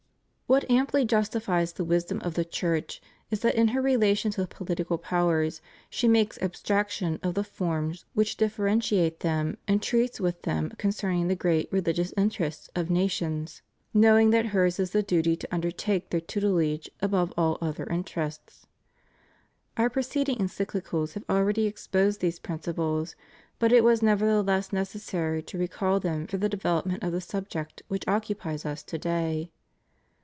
What amply justifies the wisdom of the Church is that in her relations with political powers she makes abstraction of the forms which differentiate them and treats with them concerning the great religious interests of nations, knowing that hers is the duty to undertake their tutelage above all other interests. Our preceding EncycHcals have already exposed these principles, but it was nevertheless necessary to recall them for the development of the subject which occupies Us to day.